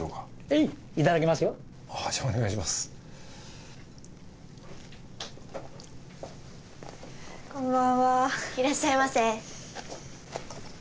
いらっしゃいませ。